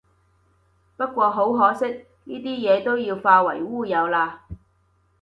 不過好可惜，呢啲嘢都要化為烏有喇